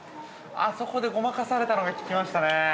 ◆あそこでごまかされたのが効きましたね。